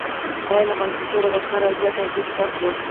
باید له ماشومتوبه د کار او زیار ارزښت زده کړو.